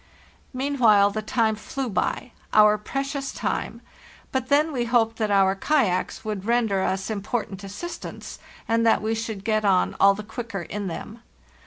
Meanwhile the time flew by—our precious time; but then we hoped that our kayaks would render us im portant assistance, and that we should get on all the quicker in them.